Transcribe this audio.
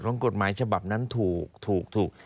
ของกฎหมายฉบับนั้นถูก